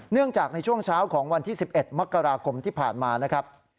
เนื่องจากในช่วงเช้าของวันที่๑๑มกรกรมที่ผ่านมานะครับ